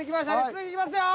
次いきますよ。